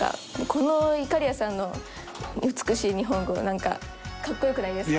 「このいかりやさんの美しい日本語なんか格好良くないですか？」